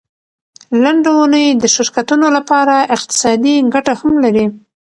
لنډه اونۍ د شرکتونو لپاره اقتصادي ګټه هم لري.